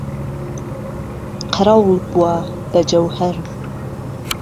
قەرەوڵ بووە بە جهوههر